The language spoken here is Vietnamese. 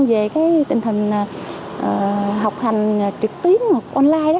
về tình hình học hành trực tiếp hoặc online